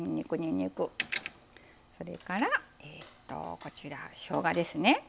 それからこちらしょうがですね。